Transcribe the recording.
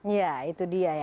ya itu dia ya